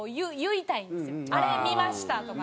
「あれ見ました」とか。